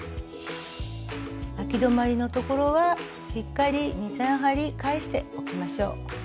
あき止まりの所はしっかり２３針返しておきましょう。